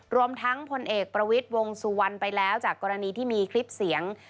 รวมทั้งพลเอกประวิทย์วงสุวรรณไปแล้วจากกรณีที่มีคลิปเสียง